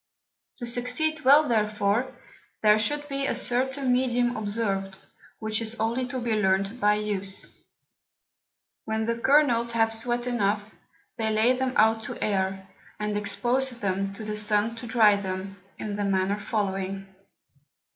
To succeed well therefore, there should be a certain Medium observed, which is only to be learnt by use. When the Kernels have sweat enough, they lay them out to air, and expose them to the Sun to dry them, in the manner following.